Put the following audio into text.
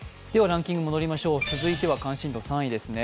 続いては関心度３位ですね。